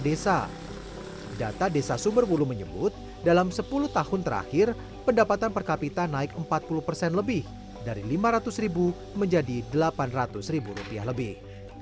desa sumberwulu menyebut dalam sepuluh tahun terakhir pendapatan per kapita naik empat puluh persen lebih dari lima ratus ribu menjadi delapan ratus lebih